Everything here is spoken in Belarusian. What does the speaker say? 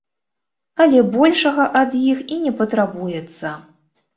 Але большага ад іх і не патрабуецца.